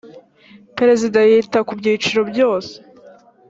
perezida yita kubyiciro byose.